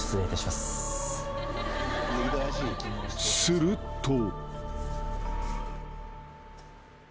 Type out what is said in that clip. ［すると］